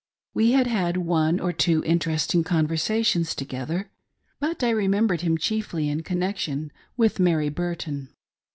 We had had one or two interesting conversations together, but I remembered him chiefly in connection with, Mary Bur.ton.